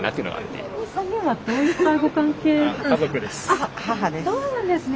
あっそうなんですね。